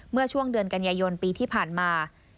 เมื่อช่วงเดือนกันยายนปีที่ผ่านมา